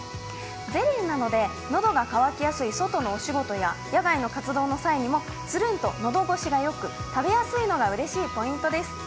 ゼリーなので、喉が渇きやすい外のお仕事や、野外の活動の際もつるんと喉越しがよく食べやすいのがうれしいポイントです。